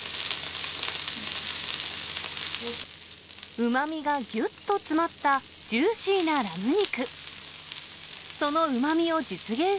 うまみがぎゅっと詰まったジューシーなラム肉。